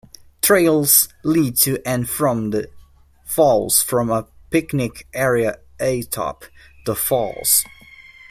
Trails lead to and from the falls from a picnic area atop the falls.